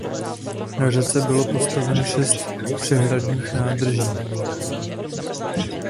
Na řece bylo postaveno šest přehradních nádrží.